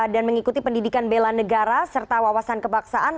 dan mengikuti pendidikan bela negara serta wawasan kebaksaan